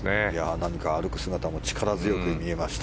何か歩く姿も力強く見えました。